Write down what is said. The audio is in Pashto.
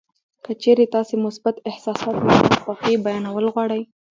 که چېرې تاسې مثبت احساسات لکه خوښي بیانول غواړئ